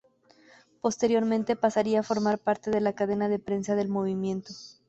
Posteriormente pasaría a formar parte de la Cadena de Prensa del Movimiento.